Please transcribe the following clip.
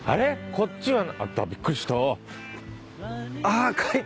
こっちはあったびっくりした。